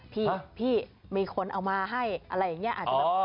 พี่พี่มีคนเอามาให้อะไรงี้อาจจะตาม